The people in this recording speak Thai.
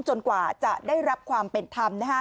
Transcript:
กว่าจะได้รับความเป็นธรรม